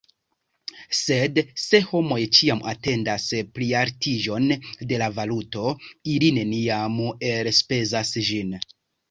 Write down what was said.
Sed se homoj ĉiam atendas plialtiĝon de la valuto, ili neniam elspezas ĝin.